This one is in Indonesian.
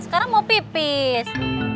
sekarang mau pipis